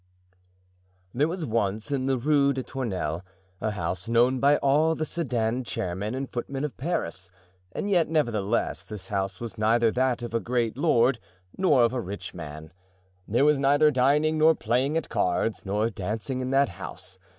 There was once in the Rue des Tournelles a house known by all the sedan chairmen and footmen of Paris, and yet, nevertheless, this house was neither that of a great lord nor of a rich man. There was neither dining, nor playing at cards, nor dancing in that house.